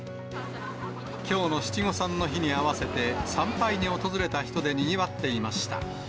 きょうの七五三の日に合わせて参拝に訪れた人でにぎわっていました。